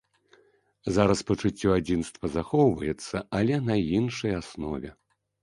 Зараз пачуццё адзінства захоўваецца, але на іншай аснове.